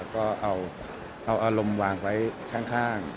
ก็เอาอารมณ์วางไว้ข้าง